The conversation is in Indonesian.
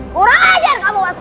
kurang ajar kamu waskolo